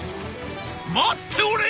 「待っておれ！